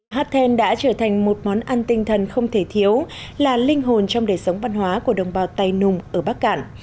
hát then đã trở thành một món ăn tinh thần không thể thiếu là linh hồn trong đời sống văn hóa của đồng bào tài nùng ở bắc cạn